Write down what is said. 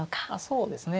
そうですね。